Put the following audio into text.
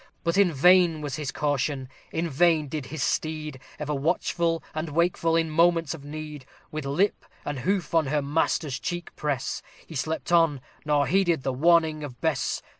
But in vain was his caution in vain did his steed, Ever watchful and wakeful in moments of need, With lip and with hoof on her master's cheek press He slept on, nor heeded the warning of Bess.